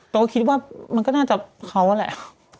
เธอคิดว่ามันก็น่าจะเขานั่นแหละ